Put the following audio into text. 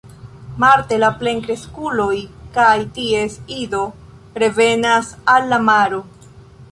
Marte la plenkreskuloj kaj ties ido revenas al la maro.